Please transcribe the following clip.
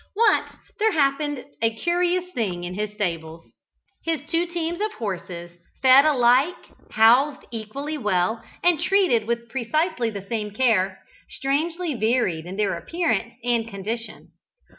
Once there happened a curious thing in his stables. His two teams of horses, fed alike, housed equally well, and treated with precisely the same care, strangely varied in their appearance and condition.